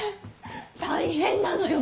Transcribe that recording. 大変なのよ